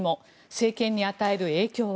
政権に与える影響は？